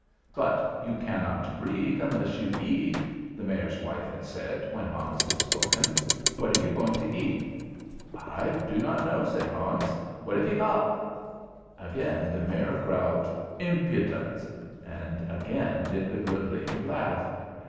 "But you cannot breathe unless you eat," the Mayor's wife had said, when Hans had spoken. "What are you going to eat?" "I do not know," said Hans. "What have you got?" Again the Mayor growled "Impudence!" and again did the good lady laugh.